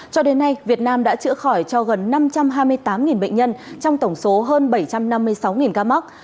cho đến nay việt nam đã chữa khỏi cho gần năm trăm hai mươi tám bệnh nhân trong tổng số hơn bảy trăm năm mươi sáu ca mắc